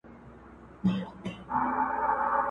د سوال یاري ده اوس به دړي وړي سینه!.